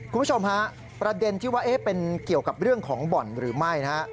คุณผู้ชมฮะประเด็นที่ว่าเป็นเกี่ยวกับเรื่องของบ่อนหรือไม่นะฮะ